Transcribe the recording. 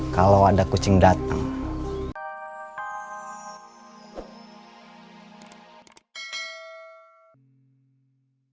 kalau ada kucing datang